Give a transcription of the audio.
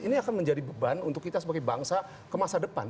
ini akan menjadi beban untuk kita sebagai bangsa ke masa depan